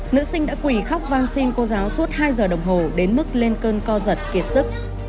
nữ sinh đã quỷ khóc vang xin cô giáo suốt hai giờ đồng hồ đến mức lên cơn co giật kiệt sức